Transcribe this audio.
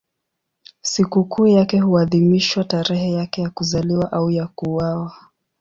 Sikukuu yake huadhimishwa tarehe yake ya kuzaliwa au ya kuuawa.